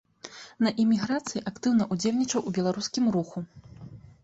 На эміграцыі актыўна ўдзельнічаў у беларускім руху.